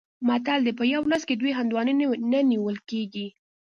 متل دی: په یوه لاس کې دوه هندواڼې نه نیول کېږي.